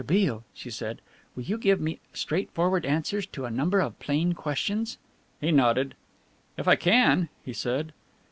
Beale," she said, "will you give me straightforward answers to a number of plain questions?" He nodded. "If I can," he said.